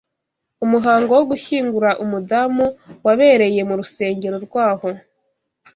Umuhango wo gushyingura umudamu wabereye mu rusengero rwaho